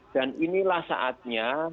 dan inilah saatnya